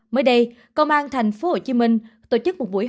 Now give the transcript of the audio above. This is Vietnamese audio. mới đây công an tp hcm tổ chức một buổi họp